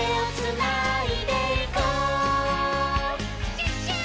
「シュッシュー」